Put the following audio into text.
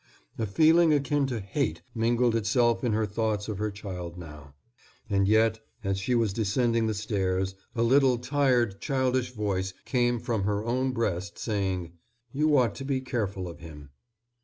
A feeling akin to hate mingled itself in her thoughts of her child now. And yet, as she was descending the stairs, a little tired, childish voice came from her own breast, saying, "You ought to be careful of him."